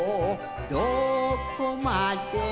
どこまでも」